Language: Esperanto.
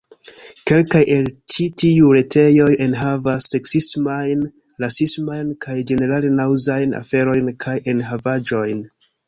Kelkaj el ĉi tiuj retejoj enhavas... seksismajn, rasismajn... kaj ĝenerale naŭzajn aferojn kaj enhavaĵojn.